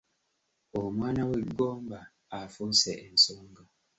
Omwana w’e Gomba afuuse ensonga.